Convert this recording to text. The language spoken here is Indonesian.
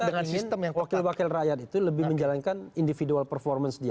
di satu sisi kita ingin wakil wakil rakyat itu lebih menjalankan individual performance dia